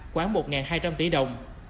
khoảng một hai trăm linh tỷ đồng